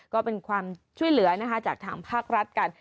ก็เป็นความช่วยเหลือนะคะจากทางภาครัฐกัน